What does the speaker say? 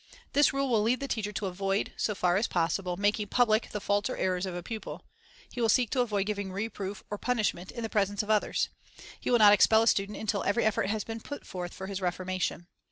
This rule will lead the teacher to avoid, so far as possible, making public the faults or errors of a pupil. He will seek to avoid giving reproof or punishment in the presence of others. He will not expel a student until every effort has been put forth for his reforma tion.